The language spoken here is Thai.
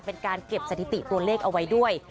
เป็นการเก็บสถิติตัวเลขเอาไว้ด้วย